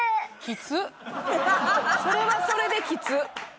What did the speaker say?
それはそれできつっ。